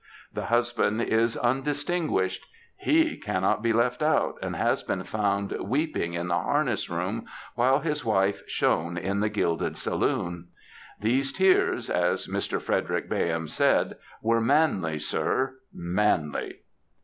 The husband is undistinguished. He cannot be left out, and has been foimd weeping in the harness room, while his wife shone in the gilded saloon. *^ These tears,^ as Mr. Frederick Bayham said, ^^ were manly, sir, manly.''